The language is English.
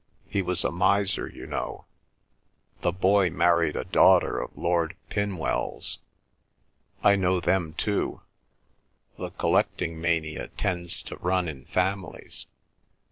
He was a miser, you know. The boy married a daughter of Lord Pinwells. I know them too. The collecting mania tends to run in families.